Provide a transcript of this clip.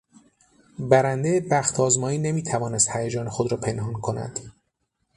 برندهی بختآزمایی نمی توانست هیجان خود را پنهان کند.